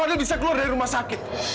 orang kita cuma pengen beban